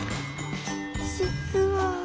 実は。